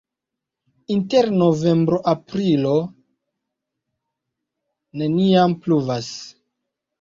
Inter novembro-aprilo neniam pluvas.